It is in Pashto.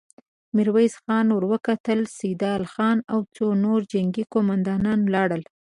ميرويس خان ور وکتل، سيدال خان او څو نور جنګي قوماندان ولاړ ول.